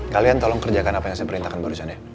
kalian tolong kerjakan apa yang saya perintahkan barusan ya